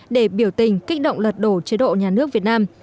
để biểu tình kích động lật đổ chế độ nhà nước việt nam